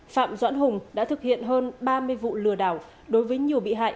phạm doãn hùng đã thực hiện hơn ba mươi vụ lừa đảo đối với nhiều bị hại